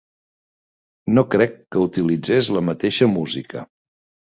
No crec que utilitzés la mateixa música.